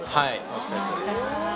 おっしゃるとおりです。